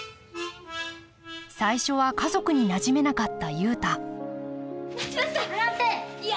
最初は家族になじめなかった雄太待ちなさい！